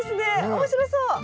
面白そう！